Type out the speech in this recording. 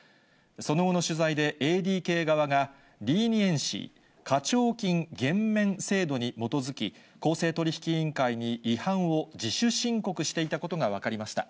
その後の取材で、ＡＤＫ側がリーニエンシー・課徴金減免制度に基づき、公正取引委員会に違反を自主申告していたことが分かりました。